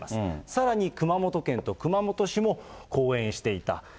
さらに熊本県と熊本市も後援していた。